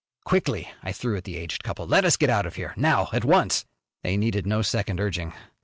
"Quickly!" I threw at the aged couple. "Let us get out of here! Now! At once!" They needed no second urging.